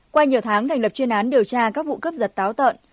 qua nhiều tháng thành lập chuyên án điều tra các vụ cướp giật táo tợn